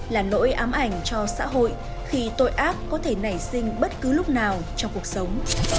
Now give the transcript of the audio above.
là nỗi ám ảnh cho xã hội khi tội ác có thể nảy sinh bất cứ lúc nào trong cuộc sống